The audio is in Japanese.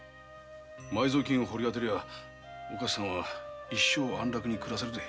埋蔵金を掘り当てたらおかつさんは一生安楽に暮らせるぜ。